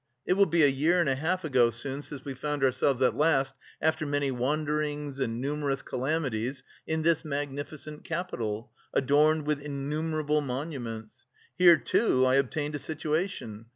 It will be a year and a half ago soon since we found ourselves at last after many wanderings and numerous calamities in this magnificent capital, adorned with innumerable monuments. Here I obtained a situation....